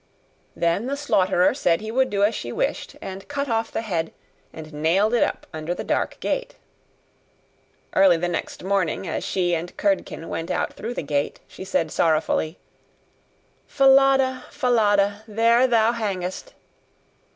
Then the slaughterer said he would do as she wished; and cut off the head, and nailed it up under the dark gate. Early the next morning, as she and Curdken went out through the gate, she said sorrowfully: 'Falada, Falada, there thou hangest!